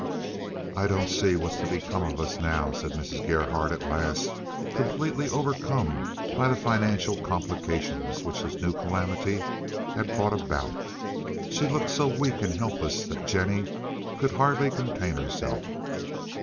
"I don't see what's to become of us now," said Mrs. Gerhardt at last, completely overcome by the financial complications which this new calamity had brought about. She looked so weak and helpless that Jennie could hardly contain herself.